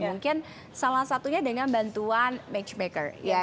mungkin salah satunya dengan bantuan matchmaker